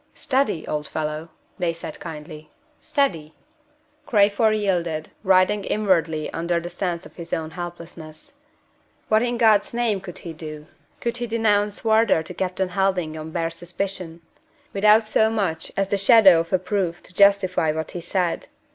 "Steady, old fellow!" they said kindly "steady!" Crayford yielded, writhing inwardly under the sense of his own helplessness. What in God's name could he do? Could he denounce Wardour to Captain Helding on bare suspicion without so much as the shadow of a proof to justify what he said?